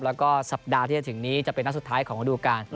แล้วก็สัปดาห์ที่จะถึงนี้จะเป็นนัดสุดท้ายของระดูการ